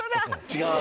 違う？